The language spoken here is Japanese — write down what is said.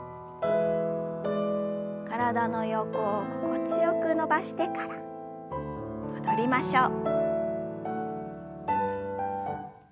体の横を心地よく伸ばしてから戻りましょう。